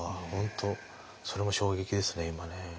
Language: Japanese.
本当それも衝撃ですね今ね。